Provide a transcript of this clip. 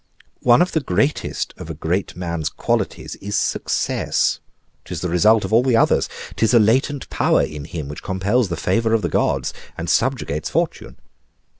One of the greatest of a great man's qualities is success; 'tis the result of all the others; 'tis a latent power in him which compels the favor of the gods, and subjugates fortune.